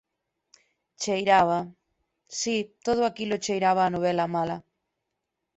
Cheiraba… Si, todo aquilo cheiraba a novela mala…